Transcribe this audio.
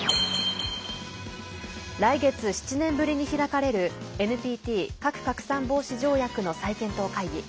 来月７年ぶりに開かれるＮＰＴ＝核拡散防止条約の再検討会議。